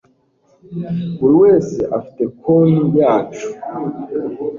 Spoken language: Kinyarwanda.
Buri wese afite konti yacu